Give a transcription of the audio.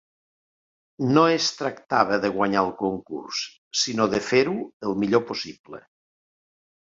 No es tractava de guanyar el concurs, sinó de fer-ho el millor possible.